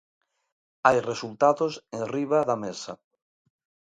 Hai resultados enriba da mesa.